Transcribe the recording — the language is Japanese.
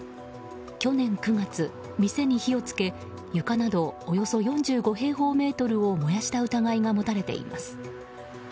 去年９月、店に火を付け床などおよそ４５平方メートルを燃やした疑いが持たれています。